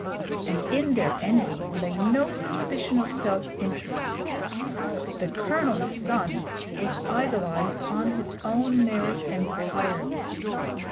And in their envy lay no suspicion of self interest. 'The Colonel's son' was idolised on his own merits entirely.